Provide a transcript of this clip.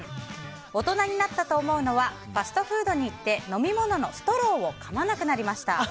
大人になったと思うのはファストフードに行って飲み物のストローをかまなくなりました。